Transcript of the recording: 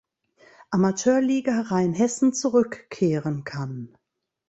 Amateurliga Rheinhessen zurückkehren kann.